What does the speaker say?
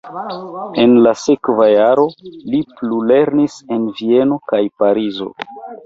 En la sekva jaro li plulernis en Vieno kaj Parizo.